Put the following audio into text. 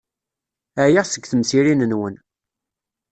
Ɛyiɣ seg temsirin-nwen.